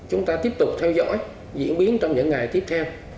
chúng ta tiếp tục theo dõi diễn biến trong những ngày tiếp theo